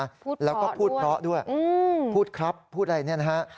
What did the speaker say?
พูดแล้วก็พูดเพราะด้วยพูดครับพูดอะไรเนี่ยนะฮะ